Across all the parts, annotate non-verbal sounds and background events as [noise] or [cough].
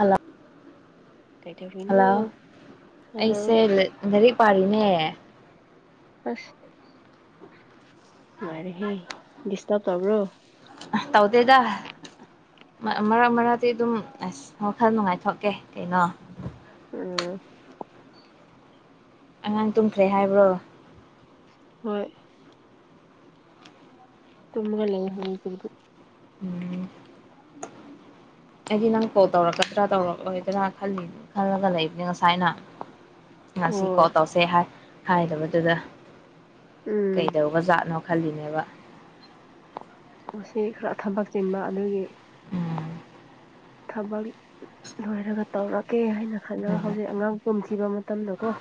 ꯑꯂ ꯀꯩꯗꯧꯔꯤꯅꯣ hello hello ꯑꯩꯁꯦ ꯔꯤ ꯄꯥꯔꯤꯅꯦ ꯑꯁ ꯉꯔꯦ ꯍꯦ ꯗꯤꯁꯇꯔꯔꯕ ꯇꯕ꯭ꯔꯣ ꯇꯧꯗꯦꯗ ꯃꯔꯛ ꯃꯔꯛꯇꯗꯤ ꯑꯗꯨꯝ ꯑꯁ ꯋꯥꯈꯜ ꯅꯨꯡꯉꯥꯏꯊꯣꯛꯀꯦ ꯀꯩꯅꯣ ꯎꯝ ꯑꯉꯥꯡ ꯇꯨꯝꯈ꯭ꯔꯦ ꯍꯥꯏꯕ꯭ꯔꯣ ꯍꯣꯏ ꯇꯃ ꯂꯩ ꯍꯕꯗꯤ ꯎꯝ ꯑꯩꯗꯤ ꯅꯪ ꯀꯣꯜ ꯇꯧꯔꯛꯀꯗ꯭ꯔꯥ ꯇꯧꯔꯛꯂꯣꯏꯗ꯭ꯔꯥ ꯈꯜꯂꯤ ꯈꯜꯂꯒ ꯂꯩꯕꯅꯤ ꯉꯁꯥꯏꯅ ꯉꯁꯤ ꯀꯣ ꯍꯣꯏ ꯇꯧꯁꯦ ꯍꯥꯏ ꯍꯥꯏꯗꯕꯗꯨꯗ ꯎꯝ ꯀꯩꯗꯧꯕ ꯖꯥꯠꯅꯣ ꯈꯜꯂꯤꯅꯦꯕ ꯁꯤ ꯈꯔ ꯊꯕꯛ ꯆꯤꯟꯕ ꯑꯗꯨꯒꯤ ꯎꯝ ꯊꯕꯛ ꯂꯣꯏꯔꯒ ꯇꯧꯔꯛꯀꯦ ꯍꯥꯏꯅ ꯈꯜꯂꯒ ꯎꯝ ꯍꯧꯖꯤꯛ ꯑꯉꯥꯡ ꯄꯨꯝꯈꯤꯕ ꯃꯇꯝꯗꯀꯣ [inaudible]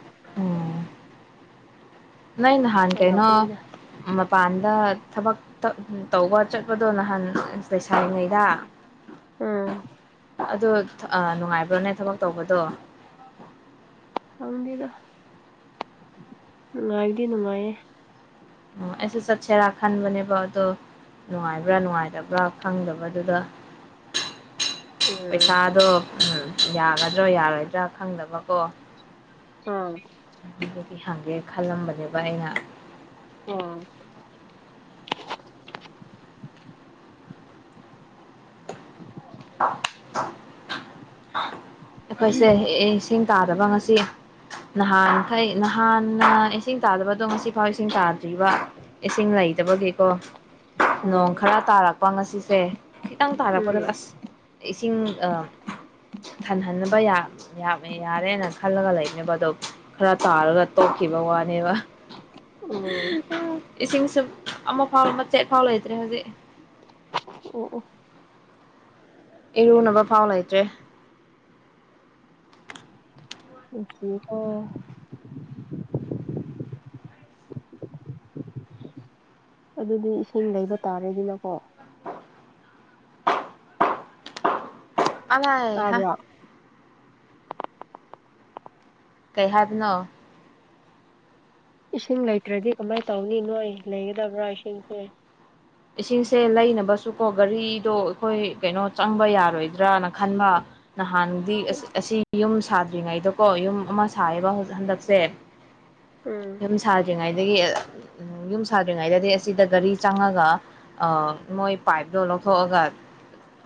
ꯅꯪ ꯅꯍꯥꯟ ꯀꯩꯅꯣ ꯇꯧꯔꯛꯄꯅꯤꯗ ꯃꯄꯥꯟꯗ ꯊꯕꯛ ꯇꯧꯕ ꯆꯠꯄꯗꯣ ꯅꯍꯥꯟ ꯂꯩꯁꯥꯏꯔꯤꯉꯩꯗ ꯎꯝ ꯑꯗ ꯅꯨꯡꯉꯥꯏꯕ꯭ꯔꯣꯅꯦ ꯊꯕꯛ ꯇꯧꯕꯗꯣ ꯈꯪꯗꯦꯗ ꯅꯨꯡꯉꯥꯏꯗꯤ ꯅꯨꯡꯉꯥꯏꯌꯦ ꯎꯁꯦ ꯆꯠꯁꯔꯥ ꯈꯥꯟꯕꯅꯦꯕꯗꯣ ꯅꯨꯡꯉꯥꯏꯕ꯭ꯔꯥ ꯅꯨꯡꯉꯥꯏꯇꯕ꯭ꯔꯥ ꯈꯪꯗꯕꯗꯨꯗ [inaudible] ꯎꯝ ꯄꯩꯁꯥꯗꯣ ꯎ ꯌꯥꯒꯗ꯭ꯔꯣ ꯌꯥꯔꯣꯏꯗ꯭ꯔꯥ ꯈꯪꯗꯕꯀꯣ ꯑꯝ ꯑꯗꯨꯗꯤ ꯍꯪꯒꯦ ꯈꯜꯂꯝꯕꯅꯦꯕ ꯑꯩꯅ ꯎꯝ ꯑꯩꯈꯣꯏꯁꯦ ꯏꯁꯤꯡ ꯇꯥꯗꯕ ꯉꯁꯤ ꯅꯍꯥꯟ ꯐꯩ ꯅꯍꯥꯟꯅ ꯏꯁꯤꯡ ꯇꯥꯗꯕꯗꯣ ꯉꯁꯤꯐꯥꯎ ꯏꯁꯤꯡ ꯇꯥꯗ꯭ꯔꯤꯕ ꯏꯁꯤꯡ ꯂꯩ ꯆꯕꯒꯤꯀꯣ ꯑꯣ ꯅꯣꯡ ꯈꯔ ꯇꯥꯔꯛꯄ ꯉꯁꯤꯁꯦ ꯈꯤꯇꯪ ꯇꯥꯔꯛꯄꯗ ꯎꯝ ꯑꯁ ꯏꯁꯤꯡ ꯑ ꯐꯅꯕ ꯌꯥꯝꯃꯦ ꯌꯥꯔꯦꯅ ꯈꯜꯂꯒ ꯂꯩꯕꯅꯦꯕ ꯑꯗꯣ ꯈꯔ ꯇꯥꯔꯒ ꯇꯣꯛꯈꯤꯕ ꯋꯥꯅꯦꯕ [inaudible] ꯑꯣ ꯎ ꯏꯁꯤꯡ ꯁ ꯑꯃ ꯐꯥꯎ ꯃꯆꯦꯠ ꯐꯥꯎ ꯂꯩꯇ꯭ꯔꯦ ꯍꯧꯖꯤꯛ ꯑꯣ ꯑꯣ ꯏꯔꯨꯅꯕ ꯐꯥꯎ ꯂꯩꯇ꯭ꯔꯦ [unintelligible] ꯑꯗꯨꯗꯤ ꯏꯁꯤꯡ ꯂꯩꯕ ꯇꯥꯔꯦꯗꯤꯅꯀꯣ ꯑꯂꯑ ꯍꯥ ꯇꯥꯕ꯭ꯔꯥ ꯀꯩ ꯍꯥꯏꯗꯅꯣ ꯏꯁꯤꯡ ꯂꯩꯇ꯭ꯔꯗꯤ ꯀꯃꯥꯏꯅ ꯇꯧꯅꯤ ꯅꯣꯏ ꯂꯩꯒꯗꯕ꯭ꯔꯥ ꯏꯁꯤꯡꯁꯦ ꯏꯁꯤꯡꯁꯦ ꯂꯩꯅꯕꯁꯨ ꯀꯣ ꯒꯥꯔꯤꯗꯣ ꯑꯩꯈꯣꯏ ꯀꯩꯅꯣ ꯆꯪꯕ ꯌꯥꯔꯣꯏꯗ꯭ꯔꯅ ꯈꯟꯕ ꯅꯍꯥꯟꯗꯤ ꯑꯁꯤ ꯌꯨꯝ ꯁꯥꯗ꯭ꯔꯤꯉꯩꯗꯀꯣ ꯌꯨꯝ ꯑꯃ ꯁꯥꯥꯏꯌꯦꯕ ꯍꯟꯗꯛꯁꯦ ꯎꯝ ꯌꯨꯝ ꯁꯥꯗ꯭ꯔꯤꯉꯩꯗꯒꯤ ꯌꯨꯝ ꯁꯥꯗ꯭ꯔꯤꯉꯩꯗꯗꯤ ꯑꯁꯤꯗ ꯒꯥꯔꯤ ꯆꯪꯉꯒ ꯃꯣꯏ ꯄꯥꯏꯞꯇꯣ ꯂꯧꯊꯣꯛꯑꯒ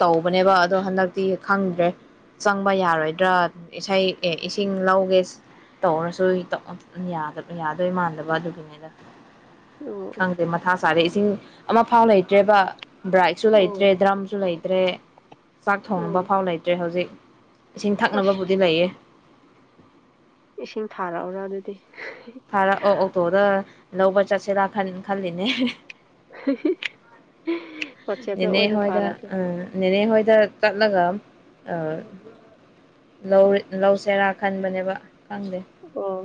ꯇꯧꯕꯅꯦꯕ ꯑꯗꯣ ꯍꯟꯗꯛꯇꯤ ꯈꯪꯗ꯭ꯔꯦ ꯆꯪꯕ ꯌꯥꯔꯣꯏꯗ꯭ꯔꯥ ꯏꯁꯩ ꯑꯦ ꯏꯁꯤꯡ ꯂꯧꯒꯦ ꯇꯧꯔꯁꯨ ꯌꯥꯗꯣꯏ ꯃꯥꯟꯗꯕ ꯑꯗꯨꯒꯤꯅꯤꯗ ꯑꯣ ꯈꯪꯗꯦ ꯃꯊꯥ ꯁꯥꯔꯦ ꯏꯁꯤꯡ ꯑꯃ ꯐꯥꯎ ꯂꯩꯇ꯭ꯔꯦꯕ ꯕ꯭ꯔꯥꯏꯛꯁꯨ ꯂꯩꯇ꯭ꯔꯦ ꯑꯣ ꯗ꯭ꯔꯝꯁꯨ ꯂꯩꯇ꯭ꯔꯦ ꯆꯥꯛ ꯊꯣꯡꯅꯕ ꯑꯣ ꯐꯥꯎ ꯂꯩꯇ꯭ꯔꯦ ꯍꯧꯖꯤꯛ ꯏꯁꯤꯡ ꯑꯁ ꯊꯛꯅꯕꯕꯨꯗꯤ ꯂꯩꯌꯦ ꯏꯁꯤꯡ ꯊꯥꯔꯛꯑꫭꯔꯥ ꯑꯗꯨꯗꯤ ꯐꯔ ꯑꯣ ꯑꯣꯇꯣꯗ ꯂꯧꯕ ꯆꯠꯁꯤꯔꯥ ꯈꯟ ꯈꯜꯂꯤꯅꯦ [unintelligible] ꯅ‌ꯦꯅꯦ ꯑꯣꯏꯅ ꯍꫭꯏꯗ ꯊꯥꯔꯛꯀꯦ ꯎꯝ ꯅ‌ꯦꯅꯦ ꯍꫭꯏ ꯁꯤꯗ ꯆꯠꯂꯒ ꯑꯥ ꯂꯧ ꯂꯧꯁꯤꯔꯥ ꯈꯟꯕꯅꯦꯕ ꯈꯪꯗꯦ ꯑꯣ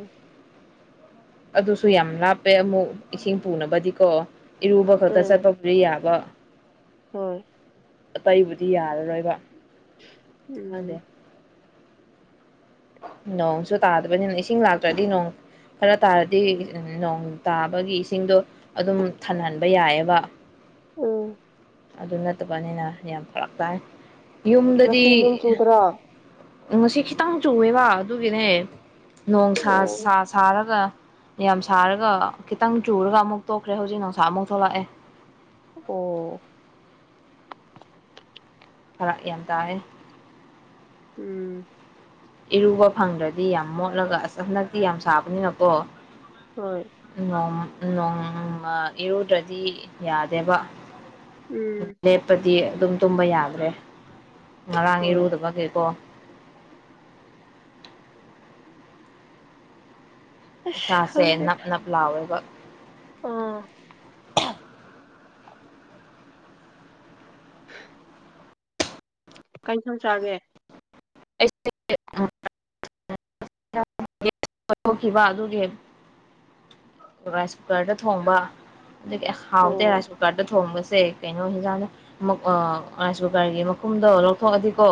ꯑꯗꯨꯁꯨ ꯌꯥꯝ ꯂꯥꯞꯄꯦ ꯑꯃꯨꯛ ꯏꯁꯤꯡ ꯄꯨꯅꯕꯗꯤꯀꯣ ꯏꯔꯨꯕ ꯈꯛꯇ ꯎꯝ ꯆꯠꯄꯕꯨꯗꯤ ꯌꯥꯕ ꯍꯣꯏ ꯑꯇꯩꯕꯨꯗꯤ ꯌꯥꯔꯔꯣꯏꯕ ꯎꯝ ꯈꯪꯗꯦ ꯅꯣꯡꯁꯨ ꯇꯥꯗꯕꯅꯤꯅ ꯏꯁꯤꯡ ꯂꯥꯛꯇ꯭ꯔꯗꯤ ꯅꯣꯡ ꯈꯔ ꯇꯥꯔꯗꯤ ꯅꯣꯡ ꯇꯥꯕꯒꯤ ꯏꯁꯤꯡꯗꯣ ꯑꯗꯨꯝ ꯊꯟꯍꯟꯕ ꯌꯥꯏꯑꯕ ꯎꯝ ꯑꯗꯨ ꯅꯠꯇꯕꯅꯤꯅ ꯌꯥꯝ ꯐꯔꯛ ꯇꯥꯏ ꯌꯨꯝꯗꯗꯤ ꯉꯁꯤ ꯅꯣꯡ ꯆꯨꯗ꯭ꯔꯣ ꯑꯣ ꯉꯁꯤ ꯈꯤꯇꯪ ꯆꯨꯑꯦꯕ ꯑꯗꯨꯒꯤꯅꯦ ꯅꯣꯡ ꯁꯥ ꯁꯥ ꯁꯥꯔꯒ ꯌꯥꯝ ꯁꯥꯔꯒ ꯈꯤꯇꯪ ꯆꯨꯔꯒ ꯑꯃꯨꯛ ꯇꯣꯛꯈ꯭ꯔꯦ ꯍꯧꯖꯤꯛ ꯅꯨꯡꯁꯥ ꯑꯃꯨꯛ ꯊꯣꯛꯂꯛꯑꯦ ꯑꯣ ꯐꯔꯥꯛ ꯌꯥꯝ ꯇꯥꯌ‌ꯦ ꯎꯝ ꯏꯔꯨꯕ ꯐꯪꯗ꯭ꯔꯗꯤ ꯌꯥꯝ ꯃꯣꯠꯂꯒ ꯑꯁ ꯍꯟꯗꯛꯇꯤ ꯌꯥꯝ ꯁꯥꯕꯅꯤꯅꯀꯣ ꯍꯣꯏ ꯑ [unintelligible] ꯅꯣꯡꯃ ꯏꯔꯨꯗ꯭ꯔꯗꯤ ꯌꯥꯗꯦꯕ ꯎꯝ ꯂꯦꯞꯄꯗꯤ ꯑꯗꯨꯝ ꯇꯨꯝꯕ ꯌꯥꯗ꯭ꯔꯦ ꯉꯔꯥꯡ ꯍꯣꯏ ꯏꯔꯨꯗꯕ ꯀꯩꯀꯣ ꯑꯁ ꯏꯁꯥꯁꯦ ꯅꯞ ꯈꯪꯗꯦꯗ ꯅꯞ ꯂꯥꯎꯋꯦꯕ ꯑꯥ ꯀꯩ ꯊꫭꯡ ꯆꯒꯦ ꯑꯩ [unintelligible] ꯒ‌ꯦꯋꯁ ꯊꯣꯛꯈꯤꯕ ꯑꯗꯨꯒꯤ ꯔꯥꯏꯁ ꯀꯨꯀꯔꯗ ꯊꯣꯡꯕ ꯑꯗꯨꯗꯒꯤ ꯍꯥꯎꯗꯦ ꯑꯣ ꯔꯥꯁꯟ ꯀꯨꯀꯔꯗ ꯊꯣꯡꯕꯁꯦ ꯁꯦ ꯀꯩꯅꯣ ꯍꯟꯖꯥꯡꯗꯨ ꯔꯥꯏꯁ ꯀꯨꯀꯔꯒꯤ ꯃꯈꯨꯝꯗꯣ ꯂꯧꯊꯣꯛꯑꯗꯤꯀꯣ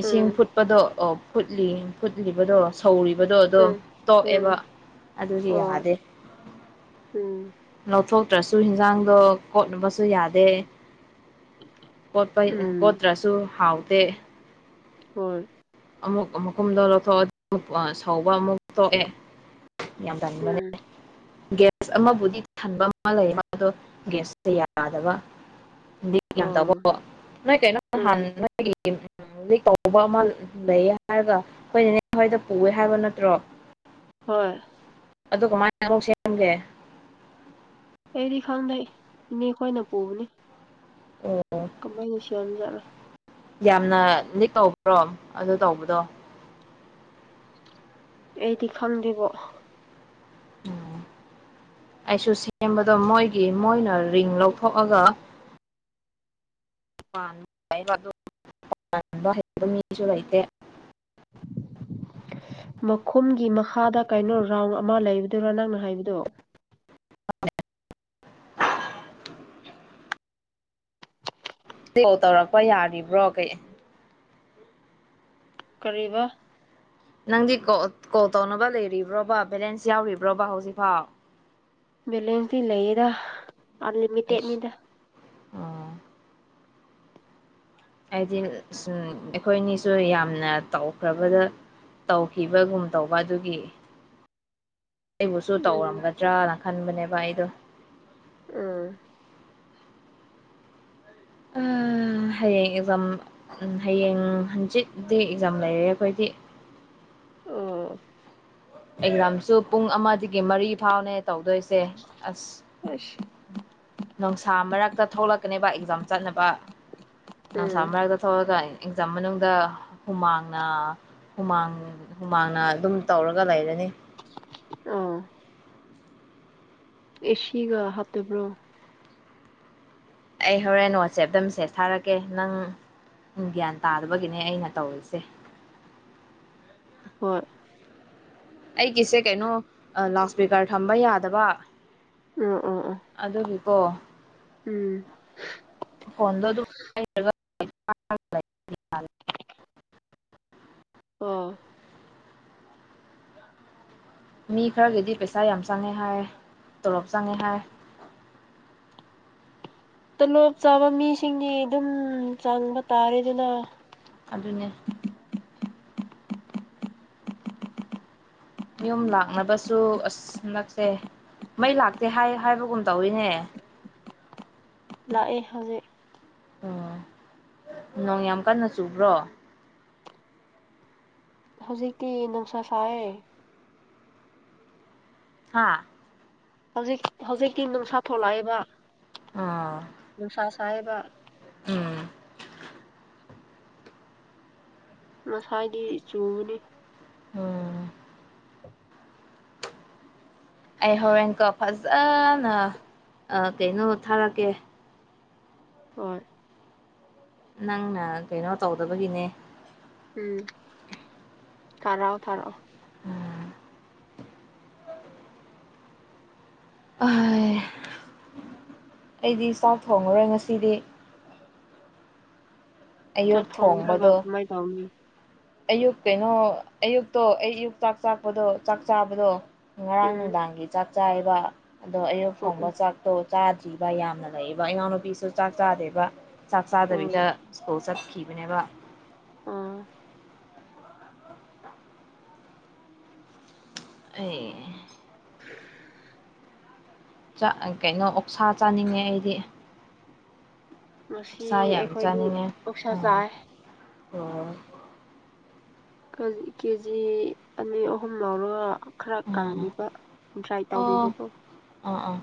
ꯏꯁꯤꯡ ꯎꯝ ꯐꯨꯠꯄꯗꯣ ꯑꯣ ꯐꯨꯠꯂꯤ ꯐꯨꯠꯂꯤꯕꯗꯣ ꯁꯧꯔꯤꯕꯗꯣ- ꯑꯣ ꯑꯗꯨꯝ ꯎꯝ ꯇꯣꯛꯑꯦꯕ ꯎꯝ ꯑꯗꯨꯗꯤ ꯍꯣꯏ ꯌꯥꯗꯦ ꯎꯝ ꯅꯠꯇ꯭ꯔꯁꯨ ꯍꯤꯟꯖꯥꯡꯗꯣ ꯀꯣꯠꯅꯕꯁꯨ ꯌꯥꯗꯦ ꯀꯣꯠꯄ ꯎꯝ ꯀꯣꯠꯇ꯭ꯔꯁꯨ ꯍꯥꯎꯇꯦ ꯍꫭꯏ ꯑꯃꯨꯛ ‌ꯃꯈꯨꯝꯗꯣ ꯂꯧꯊꯣꯛꯑꯗꯤ ꯑꯃꯨꯛ ꯁꯧꯕ ꯑꯃꯨꯛ ꯇꯣꯛꯑꯦ ꯌꯥꯝ ꯇꯟꯕꯅꯦ ꯎꯝ ꯒ꯭ꯌꯥꯁ ꯑꯃꯕꯨꯗꯤ ꯊꯟꯕ ꯑꯃ ꯂꯩ ꯑꯗꯣ ꯒ꯭ꯌꯥꯁꯇ ꯌꯥꯗꯕ ꯑꯣ ꯇꯧꯕ ꯅꯣꯏ ꯀꯩꯅꯣ ꯎꯝ ꯅꯍꯥꯟ ꯅꯒꯤ [unintelligible] ꯀꯧꯕ ꯑꯃ ꯂꯩ ꯍꯥꯏꯔꯒ ꯑꯩꯈꯣꯏꯅꯅꯦ ꯁꯋꯥꯣꯏꯗ ꯄꯨꯑꯦ ꯍꯥꯏꯕ ꯅꯠꯇ꯭ꯔꯣ ꯍꯣꯏ ꯑꯗꯨ ꯀꯃꯥꯏꯅ ꯑꯃꯨꯛ ꯁꯦꯝꯒꯦ ꯑꯩꯗꯤ ꯈꯪꯗꯦ ꯏꯅꯦ ꯑꯩꯈꯣꯏꯅ ꯄꯨꯕꯅꯤ ꯑꯣ ꯀꯃꯥꯏꯅ ꯁ‌ꯦꯝ ꯖꯥꯠꯅꫭ ꯌꯥꯝꯅ ꯅꯤꯛ ꯇꯧꯕ꯭ꯔꯣ ꯑꯗꯨ ꯇꯧꯕꯗꯣ ꯑꯩꯗꯤ ꯈꯪꯗꯕ ꯎꯝ ꯑꯩꯁꯨ ꯁꯦꯝꯕꯗꯣ ꯃꯣꯏꯒꯤ ꯃꯣꯏꯅ ꯔꯤꯡ ꯂꯧꯊꯣꯛꯑꯒ [unintelligible] [unintelligible] [unintelligible] ꯍꯩꯕ ꯃꯤꯁꯨ ꯂꯩꯇꯦ [inaudible] ꯃꯈꯨꯝꯒꯤ ꯃꯈꯥꯗ ꯀꯩꯅꯣ ꯔꯥꯎꯟ ꯑꯃ ꯂꯩꯕꯗꯨꯔ ꯅꯪꯅ ꯍꯥꯏꯕꯗꯨꯣ ꯇꯧ ꯇꯧꯔꯛꯄ ꯌꯥꯔꯤꯕ꯭ꯔꯣꯒꯩ ꯀꯔꯤꯕ ꯅꯪꯗꯤ ꯀꯣꯜ ꯇꯧꯅꯕ ꯂꯩꯔꯤꯕ꯭ꯔꯣꯕ ꯕꯦꯂꯦꯟꯁ ꯌꯥꯎꯔꯤꯕ꯭ꯔꯣꯕ ꯍꯧꯖꯤꯛꯐꯥꯎ ꯕꯦꯂꯦꯟꯁꯇ ꯂꯩꯌꯦꯗ ꯑꯩꯁ ꯑꯟꯂꯤꯃꯤꯇꯦꯠꯅꯤꯗ ꯑꯣ ꯍꯥꯏꯗꯤ ꯁ ꯑꯩꯈꯣꯏꯅꯤꯁꯨ ꯌꯥꯝꯅ ꯇꯧꯈ꯭ꯔꯕꯗ ꯇꯧꯈꯤꯕꯒꯨꯝ ꯇꯧꯕ ꯑꯗꯨꯒꯤ ꯑꯩꯕꯨꯁꯨ ꯎꯝ ꯇꯧꯔꯝꯒꯗ꯭ꯔꯅ ꯈꯟꯕꯅꯦꯕ ꯑꯩꯗꯣ ꯑꯥ ꯎꯝ ꯍꯌꯦꯡ ꯑꯦꯛꯖꯥꯝ ꯍꯌꯦꯡ ꯍꯪꯆꯤꯠꯗꯤ ꯑꯦꯛꯖꯥꯝ ꯂꯩꯔꯦ ꯑꯩꯈꯣꯏꯗꯤ ꯑꯣ ꯑꯦꯛꯖꯥꯝꯁꯨ ꯄꯨꯡ ꯑꯃꯗꯒꯤ ꯃꯔꯤ ꯐꯥꯎꯅꯦ ꯇꯧꯗꯣꯏꯁꯦ ꯑꯁ ꯑꯁ ꯅꯨꯡꯁꯥ ꯃꯔꯛ ꯍꯛꯇ ꯊꯣꯛꯂꯛꯀꯅꯦꯕ ꯑꯦꯛꯖꯥꯝ ꯆꯠꯅꯕ ꯅꯅꯨꯡꯁꯥ ꯎꯝ ꯃꯔꯛꯇ ꯊꯣꯛꯂꯒ ꯑꯦꯛꯖꯥꯝ ꯃꯅꯨꯡꯗ ꯍꯨꯃꯥꯡꯅ ꯍꯨꯃꯥꯡ ꯍꯨꯃꯥꯡꯅ ꯑꯗꯨꯝ ꯇꯧꯔꯒ ꯒ ꯂꯥꯏꯗꯅꯤ ꯑꯣ ꯑꯦꯁꯤꯒ ꯍꯥꯞꯇꯕ꯭ꯔꯣ ꯑꯩ ꯍꯣꯔꯦꯟ ꯋꯥꯆꯦꯞꯇ ꯃꯦꯁꯦꯖ ꯊꯥꯔꯛꯀꯦ ꯅꯪ ꯎꯝ ꯒ꯭ꯌꯥꯟ ꯇꯥꯗꯕꯒꯤꯅꯦ ꯑꯩꯅ ꯇꯧꯔꯤꯁꯦ ꯍꯣꯏ ꯑꯩꯒꯤꯁꯦ ꯀꯩꯅꯣ ꯂꯥꯎꯠ ꯏꯁꯄꯤꯀꯔ ꯊꯝꯕ ꯌꯥꯗꯕ ꯎ ꯑ ꯑ ꯑꯣ ꯐꯣꯟꯗ ꯑꯗꯨ [inaudible] [inaudible] [inaudible] ꯑꯣ ꯃꯤ ꯈꯔꯒꯤꯗꯤ ꯄꯩꯁꯥ ꯌꯥꯝ ꯆꯪꯉꯦ ꯍꯥꯏ ꯇꯂꯣꯞ ꯆꯪꯉꯦ ꯍꯥꯏ ꯇꯣꯂꯣꯞ ꯆꯥꯕ ꯃꯤꯁꯤꯡꯗꯤ ꯑꯗꯨꯝ ꯆꯪꯕ ꯇꯥꯔꯦ ꯑꯗꯨꯅ ꯑꯗꯨꯅꯦ ꯌꯨꯝ ꯂꯥꯛꯅꯕꯁꯨ ꯑꯁ ꯅꯛꯁꯦ ꯃꯩ ꯂꯥꯛꯇꯦ ꯍꯥꯏ ꯍꯥꯏꯕꯒꯨꯝ ꯇꯧꯔꯤꯤꯅꯦ ꯂꯥꯛꯑꯦ ꯍꯧꯖꯤꯛ ꯎꯝ ꯅꯣꯡ ꯌꯥꯝ ꯀꯟꯅ ꯆꯨꯕ꯭ꯔꯣ ꯍꯧꯖꯤꯛꯇꯤ ꯅꯨꯡꯁꯥ ꯁꯔꯦ ꯍꯥꯥ ꯍꯧꯖꯤꯛ ꯍꯧꯖꯤꯛꯇꯤ ꯅꯨꯡꯁꯥ ꯊꯣꯛꯂꯛꯑꯦꯕ ꯑꯥ ꯅꯨꯡꯁꯥ ꯁꯥꯍꯦꯕ ꯎꯝ ꯃꯁꯥꯒꯤ ꯆꯨꯕꯅꯤ ꯑꯣꯝ ꯑꯩ ꯍꯣꯔꯦꯟꯀ ꯐꯖꯅ ꯀꯩꯅꯣ ꯊꯥꯔꯛꯀꯦ ꯍꯣꯏ ꯅꯪꯅ ꯀꯩꯅꯣ ꯇꯧꯗꯕꯒꯤꯅꯦ ꯎꯝ ꯊꯔꯑꯣ ꯊꯔꯣ ꯎꯝ ꯑꯩꯗꯤ ꯆꯥꯛ ꯊꯣꯡꯉꯔꯣꯏ ꯉꯁꯤꯗꯤ ꯑꯌꯨꯛ ꯆꯥꯛ ꯊꯣꯡꯗ꯭ꯔꯒ ꯊꯣꯡꯕꯗꯣ ꯀꯃꯥꯏ ꯇꯧꯅꯤ ꯑꯌꯨꯛ ꯀꯩꯅꯣ ꯑꯌꯨꯛꯇꯣ ꯑꯩ ꯑꯌꯨꯛ ꯆꯥꯛ ꯆꯥꯛꯄꯗꯣ ꯆꯥꯛ ꯆꯥꯕꯗꯣ ꯉꯔꯥꯡ ꯎꯝ ꯅꯨꯡꯗꯥꯡꯒꯤ ꯆꯥꯛ ꯆꯥꯏꯕ ꯑꯗꯣ ꯑꯌꯨꯛ ꯑꯣ ꯊꯣꯡꯕ ꯑꯣ ꯆꯥꯛꯇꯣ ꯆꯥꯗ꯭ꯔꯤꯕ ꯌꯥꯝꯅ ꯂꯩꯌꯦꯕ ꯏꯉꯎꯅꯨꯄꯤꯁꯨ ꯆꯥꯛ ꯆꯥꯗꯦꯕ ꯆꯥꯛ ꯑꯣ ꯆꯥꯗꯕꯤꯗ ꯁꯀꯣꯠ ꯆꯠꯈꯤꯕꯅꯦꯕ ꯑꯣ ꯑꯦ ꯀꯩꯅꯣ ꯑꯣꯛꯁꯥ ꯆꯥꯅꯤꯡꯉꯦ ꯑꯩꯗꯤ ꯉꯁꯤ ꯁꯥꯏ ꯑꯩꯈꯣꯏꯗꯤ ꯆꯅꯤꯡꯅꯦ ꯑꯣꯛꯁꯥ ꯑ ꯆꯥꯏ ꯑꯣ ꯀꯦꯖꯤ ꯑꯅꯤ ꯑꯍꯨꯝ ꯂꯧꯔꯒ ꯈꯔ ꯎꯝ ꯀꯪꯕꯤꯕ ꯇ꯭ꯔꯥꯏ ꯑꯣ ꯇꯧꯕꯤꯕꯀꯣ ꯑꯥ ꯑꯥ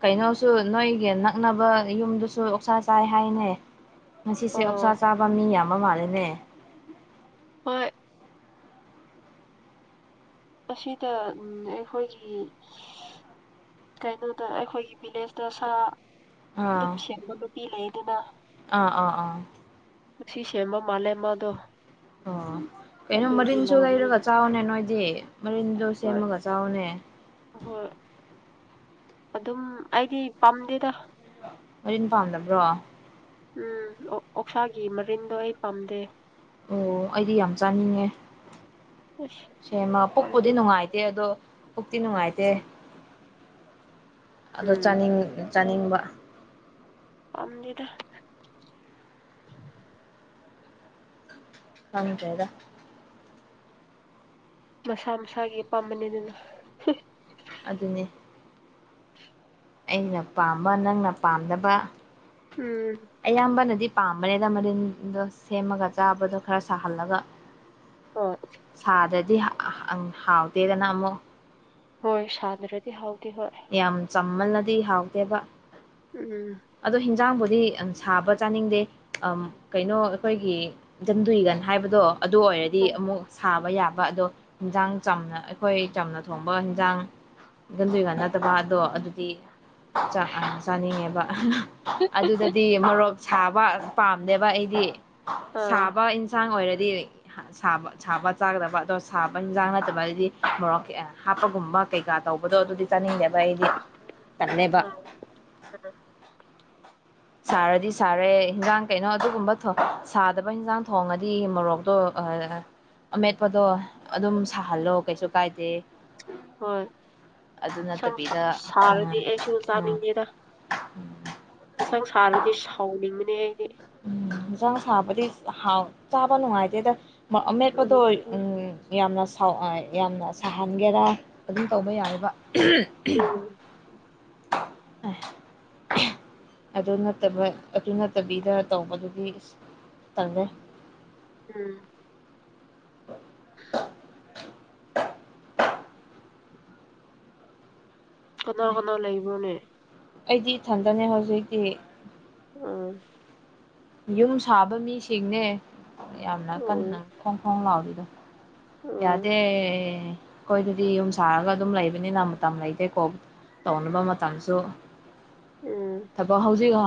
ꯀꯩꯅꯣꯁꯨ ꯅꯣꯏꯒꯤ ꯅꯛꯅꯕ ꯌꯨꯝꯗꯨꯁꯨ ꯑꯣꯛꯁꯥ ꯆꯥꯏ ꯍꯥꯏꯅ ꯉꯁꯤꯁꯦ ꯑꯣ ꯑꯣꯛꯆꯥꯥ ꯆꯥꯕ ꯃꯤ ꯌꯥꯝꯕ ꯃꯥꯂꯦꯅꯦ ꯍꯣꯏ ꯑꯁꯤꯗ ꯑꯩꯈꯣꯏꯒꯤ ꯀꯩꯅꯣꯗ ꯑꯩꯈꯣꯏꯒꯤ ꯚꯤꯂꯦꯖꯇ ꯁꯥ ꯑꯥ ꯁꯦꯝꯦꯡꯕ ꯅꯨꯄꯤ ꯂꯩꯗꯅ ꯑꯥ ꯑꯥ ꯑꯥ ꯁꯤꯁꯤꯁꯦꯃ ꯃꯥꯂꯦꯃꯗꯣ ꯑꯣ ꯀꯩꯅꯣ ꯃꯔꯤꯟꯁꯨ ꯂꯩꯔꯒ ꯆꯥꯎꯅꯦ ꯅꯣꯏꯗꯤ ꯃꯔꯤꯟꯗꯣ ꯍꯣꯏ ꯁꯦꯝꯃꯒ ꯆꯥꯎꯅꯦ ꯍꯣꯏ ꯑꯗꯨꯝ ꯑꯩꯗꯤ ꯄꯥꯝꯗꯦꯗ ꯃꯔꯤꯦꯟ ꯄꯥꯝꯗꯕ꯭ꯔꯣ ꯎꯝ ꯑꯣꯛꯁꯥꯒꯤ ꯃꯔꯤꯟꯗꯣ ꯑꯩ ꯄꯥꯝꯗꯦ ꯑꯣ ꯑꯩꯗꯤ ꯌꯥꯝ ꯆꯥꯅꯤꯡꯉꯦ ꯑꯁ ꯁꯦꯃ ꯄꯣꯛꯄꯨꯗꯤ ꯄꯥꯝꯗꯦꯗ ꯅꯨꯡꯉꯥꯏꯇꯦ ꯑꯗꯣ ꯎꯛꯇꯤ ꯅꯨꯡꯉꯥꯏꯇꯦ ꯑꯗꯣ ꯎꯝ ꯆꯥꯅꯤꯡ ꯆꯥꯅꯤꯡꯕ ꯀꯗꯤꯗ ꯍꯗꯦꯗ ꯃꯁꯥ ꯃꯁꯥꯒꯤꯄꯥ ꯃꯅꯤꯗꯨꯅ ꯑꯗꯨꯅꯦ ꯑꯩꯅ ꯄꯥꯝꯕ ꯅꯪꯅ ꯄꯥꯝꯗꯅꯕ ꯎꯝ ꯑꯌꯥꯝꯕꯅꯗꯤ ꯄꯥꯝꯕꯅꯦꯅ ꯃꯔꯤꯜꯗꯣ ꯁꯦꯝꯃꯒ ꯆꯥꯕꯗꯣ ꯈꯔ ꯁꯥꯍꯜꯂꯒ ꯍꯣꯏ ꯁꯥꯗ꯭ꯔꯗꯤ ꯍꯥꯎꯇꯦꯗꯅ ꯑꯃꯨꯛ ꯍꯣꯏ ꯁꯥꯗ꯭ꯔꯗꯤ ꯍꯥꯎ ꯌꯥꯝ ꯆꯝꯃꯜꯅꯗꯤ ꯍꯥꯎꯗꯦꯕ ꯎꯝ ꯑꯗꯣ ꯍꯤꯟꯖꯥꯡꯕꯨꯗꯤ ꯁꯥꯕ ꯆꯥꯅꯤꯡꯗꯦ ꯀꯩꯅꯣ ꯑꯩꯈꯣꯏꯒꯤ ꯖꯟꯗꯨꯏꯒ ꯍꯥꯏꯕꯗꯣ ꯑꯗꯨ ꯑꯣꯏꯔꯗꯤ ꯎꯝ ꯑꯃꯨꯛ ꯁꯥ ꯊꯕ ꯌꯥꯕ ꯑꯗꯣ ꯍꯟꯖꯥꯡ ꯆꯝꯅ ꯑꯩꯈꯣꯏ ꯆꯝꯅ ꯊꯣꯡꯕ ꯌꯦꯟꯖꯥꯡ ꯒꯟꯗꯣꯏꯀ ꯅꯠꯇꯕ ꯑꯗꯣ ꯑꯗꯨꯗꯤ ꯑ ꯆꯥꯅꯤꯡꯉꯦꯕ ꯑꯗꯨꯗꯗꯤ ꯃꯣꯔꯣꯛ ꯁꯥꯕ ꯄꯥꯝꯅꯦꯕ ꯑꯩꯗꯤ ꯑꯥ ꯁꯥꯕ ꯏꯟꯁꯥꯡ ꯑꯣꯏꯔꯗꯤ ꯁꯥꯕ ꯆꯥꯒꯗꯕ ꯑꯗꯣ ꯁꯥꯕ ꯌꯦꯟꯖꯥꯡ ꯅꯠꯇꯕ ꯍꯥꯏꯗꯤ ꯃꯣꯔꯣꯛ ꯍꯥꯞꯄꯒꯨꯝꯕ ꯀꯩꯀꯥ ꯇꯧꯕꯗꯣ ꯑꯗꯨꯗꯤ ꯆꯥꯅꯤꯡꯗꯦꯕ ꯑꯩꯗꯤ ꯆꯜꯦꯕ ꯑꯥ ꯁꯥꯔꯗꯤ ꯁꯥꯔꯦ ꯍꯟꯖꯥꯡ ꯀꯩꯅꯣ ꯑꯗꯨꯒꯨꯝꯕ ꯊ ꯁꯥꯗꯕ ꯍꯟꯖꯥꯡ ꯊꯣꯡꯉꯗꯤ ꯃꯣꯔꯣꯛꯇꯣ ꯑꯃꯦꯠꯄꯗꯣ ꯑꯗꯨꯝ ꯁꯥꯍꯜꯂꯣ ꯀꯩꯁꯨ ꯀꯥꯏꯗꯦ ꯍꯣꯏ ꯑꯗꯨ ꯁꯪ ꯅꯠꯇꯕꯤꯗ ꯁꯥꯔꯗꯤ ꯎꯝ ꯑꯩꯁꯨ ꯎꯝ ꯆꯥꯅꯤꯡꯗꯦꯅ ꯌꯦꯟꯁꯥꯡ ꯁꯥꯔꯕꯗꯤ ꯁꯥꯎꯅꯤꯡꯕꯅꯦ ꯑꯩꯗꯤ ꯎꯝ ꯌꯦꯟꯁꯥꯡ ꯁꯥꯕꯗꯤ ꯍꯥꯎ ꯆꯥꯕ ꯅꯨꯡꯉꯥꯏꯇꯦꯗ ꯑꯃꯠꯄꯗꯣ ꯍꯧꯖꯤꯛꯇꯤ ꯍꯣꯏ ꯌꯥꯝꯅ ꯌꯥꯝꯅ ꯁꯥꯍꯟꯒꯦꯔꯥ ꯑꯗꯨꯝ ꯇꯧꯕ ꯌꯥꯔꯤꯕ ꯎꯝ ꯑꯗꯨ ꯅꯠꯇꯕ ꯑꯗꯨ ꯅꯠꯇꯕꯤꯗ ꯇꯧꯕꯗꯨꯒꯤ ꯇꯝꯖꯩ ꯎꯝ ꯍ [inaudible] ꯀꯅꯥꯎ ꯀꯅꯥꯎ ꯂꯩꯕꯅꯦ ꯑꯩꯗꯤ ꯏꯊꯟꯗꯅꯦ ꯍꯧꯖꯤꯛꯇꯤ ꯑꯥ ꯌꯨꯝ ꯁꯥꯕ ꯃꯤꯁꯤꯡꯅꯦ ꯌꯥꯝꯅ ꯑꯣ ꯀꯟꯅ ꯈꯣꯡ ꯈꯣꯡ ꯂꯥꯎꯔꯤꯗꯣ ꯑꯥ ꯌꯥꯗꯦ ꯑꯩꯈꯣꯏ ꯑꯗꯨꯗꯤ ꯌꯨꯝ ꯁꯥꯔꯒ ꯑꯗꯨꯝ ꯂꯩꯕꯅꯤꯅ ꯃꯇꯝ ꯂꯩꯇꯦꯀꯣ ꯇꯧꯅꯕ ꯃꯇꯝꯁꯨ ꯎꯝ ꯊꯕꯛ ꯍꯧꯖꯤꯛ